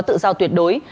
tự do ở đối